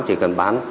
chỉ cần bán